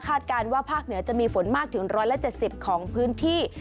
การว่าภาคเหนือจะมีฝนมากถึง๑๗๐ของพื้นที่